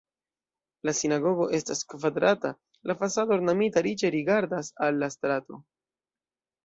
La sinagogo estas kvadrata, la fasado ornamita riĉe rigardas al la strato.